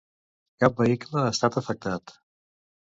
Cap vehicle ha estat afectat.